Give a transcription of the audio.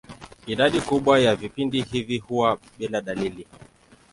Idadi kubwa ya vipindi hivi huwa bila dalili.